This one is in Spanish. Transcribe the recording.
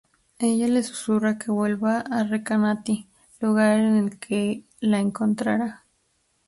Ella le susurra que vuelva a Recanati, lugar en el que la encontrará.